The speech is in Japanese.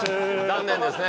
残念ですね。